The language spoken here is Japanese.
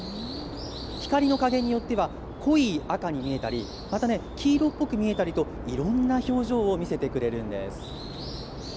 光の加減によっては、濃い赤に見えたり、またね、黄色っぽく見えたりと、いろんな表情を見せてくれるんです。